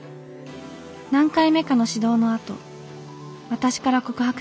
何回目かの指導のあと私から告白しました。